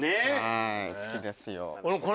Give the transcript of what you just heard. はい好きですよ。